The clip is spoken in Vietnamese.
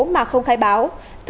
mà không khai báo